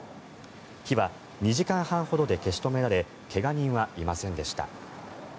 火は２時間半ほどで消し止められ怪我人はいませんでした。